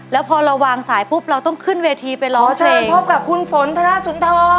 แล้วพอเราวางสายปุ๊บเราต้องขึ้นเวทีไปร้องเชิญพบกับคุณฝนธนสุนทร